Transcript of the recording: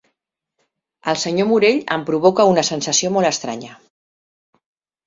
El senyor Morell em provoca una sensació molt estranya.